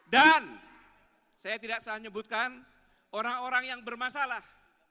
dan saya tidak salah menyebutkan orang orang yang bermasalah